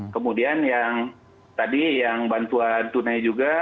kemudian yang tadi yang bantuan tunai juga